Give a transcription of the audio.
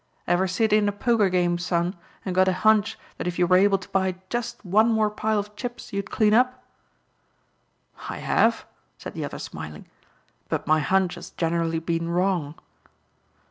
Ever sit in a poker game, son, and get a hunch that if you were able to buy just one more pile of chips you'd clean up?" "I have," said the other smiling, "but my hunch has generally been wrong."